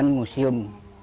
jadi ini musium